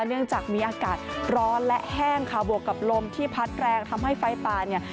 เนื่องจากมีอากาศร้อนและแห้งค่ะบวกกับลมที่พัดแรงทำให้ไฟป่าเนี่ย